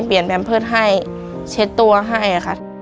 เปลี่ยนแบมเพิศให้เช็ดตัวให้ค่ะ